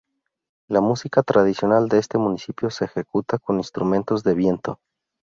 La música tradicional de este municipio es ejecutada con instrumentos de viento.